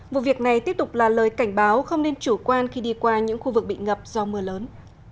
vụ việc này tiếp tục là lời cảnh báo không nên chủ quan khi đi qua những khu vực bị ngập do mưa lớn